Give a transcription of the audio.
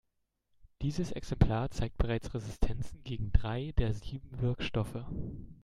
Dieses Exemplar zeigt bereits Resistenzen gegen drei der sieben Wirkstoffe.